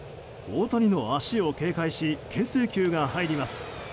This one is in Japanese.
大谷の足を警戒し牽制球が入ります。